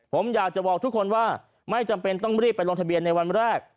ผมอยากจะบอกทุกคนว่าไม่จำเป็นต้องรีบไปลงทะเบียนในวันแรก